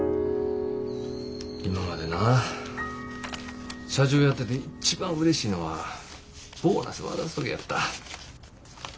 今までな社長やってていっちばんうれしいのはボーナス渡す時やった。